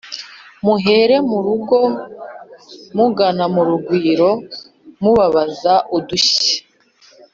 muhere murugo mugana mu rugwiro mubabaza udushya